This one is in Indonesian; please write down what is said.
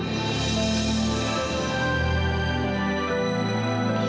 saya mau kamu yang mengurus restoran itu